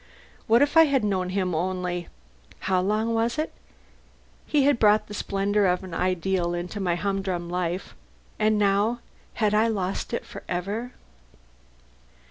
What if I had known him only how long was it? He had brought the splendour of an ideal into my humdrum life. And now had I lost it forever?